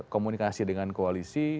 komunikasi dengan koalisi